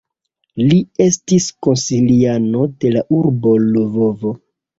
Li estis konsiliano de la urbo Lvovo.